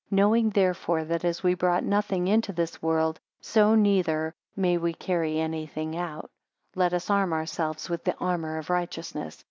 Knowing therefore that as we brought nothing into this world, so neither may we carry any thing out; let us arm ourselves with the armour of righteousness.